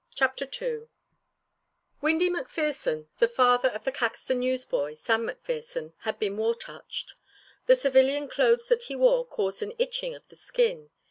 CHAPTER II Windy McPherson, the father of the Caxton newsboy, Sam McPherson, had been war touched. The civilian clothes that he wore caused an itching of the skin.